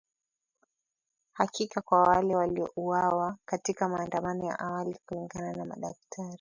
Haki kwa wale waliouawa katika maandamano ya awali kulingana na madaktari